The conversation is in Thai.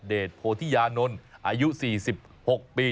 โพธิยานนท์อายุ๔๖ปี